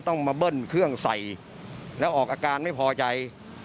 ต้องมาเบิ้ลเครื่องใส่แล้วออกอาการไม่พอใจ